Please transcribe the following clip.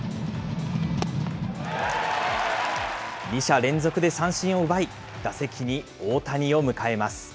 ２者連続で三振を奪い、打席に大谷を迎えます。